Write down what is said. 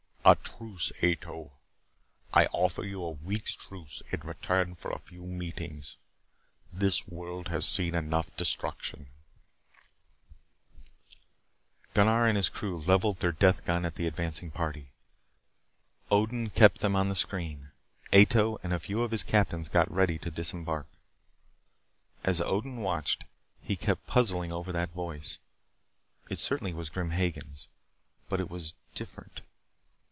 "A truce, Ato. I offer you a week's truce in return for a few meetings. This world has seen enough destruction " Gunnar and his crew leveled their death gun at the advancing party. Odin kept them on the screen. Ato and a few of his captains got ready to disembark. As Odin watched, he kept puzzling over that voice. It certainly was Grim Hagen's. But it was different.